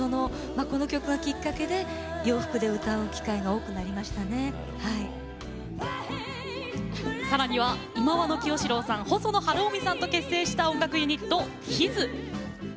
この曲がきっかけで洋服でさらには忌野清志郎さん、細野晴臣さんと結成した音楽ユニット、ＨＩＳ。